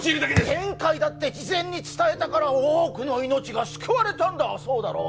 前回だって事前に伝えたから多くの命が救われたんだそうだろう？